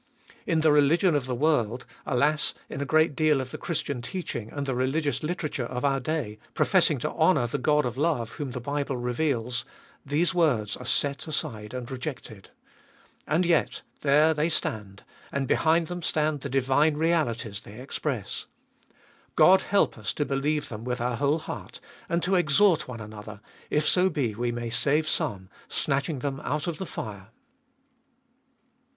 In the religion of the world — alas, in a great deal of the Christian teaching and the religious literature of our day, professing to honour the God of love whom the Bible reveals — these words are set aside and rejected. And yet there they stand, and behind them stand the divine realities they express. God help us to believe them with our whole heart, and to exhort one another, if so be we may save some, snatching them out of the fire